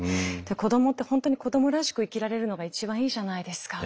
子どもって本当に子どもらしく生きられるのが一番いいじゃないですか。